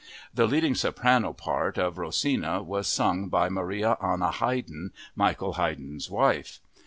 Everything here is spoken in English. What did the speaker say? The leading soprano part of Rosina was sung by Maria Anna Haydn, Michael Haydn's wife.